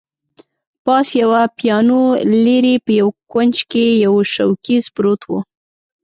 پاس یوه پیانو، لیري په یوه کونج کي یو شوکېز پروت وو.